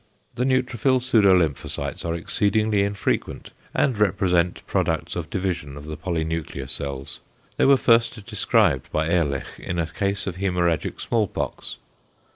The neutrophil pseudolymphocytes are exceedingly infrequent, and represent products of division of the polynuclear cells; they were first described by Ehrlich in a case of hemorrhagic small pox.